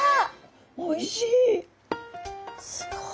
おいしい！